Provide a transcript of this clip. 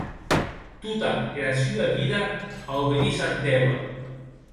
Tota era sua vida aubedís ath déuer.